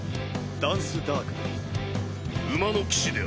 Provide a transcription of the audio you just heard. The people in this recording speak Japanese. ダンス＝ダークだ。